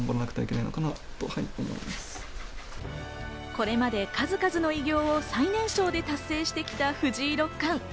これまで数々の偉業を最年少で達成してきた藤井六冠。